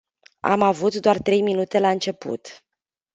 Am avut doar trei minute la început.